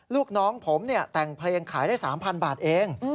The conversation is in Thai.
ลูกน้องผมแต่งเพลงขายได้๓๐๐บาทเอง